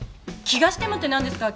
気がしてもって何ですか？